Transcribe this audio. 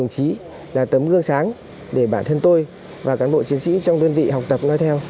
đồng chí là tấm gương sáng để bản thân tôi và cán bộ chiến sĩ trong đơn vị học tập nói theo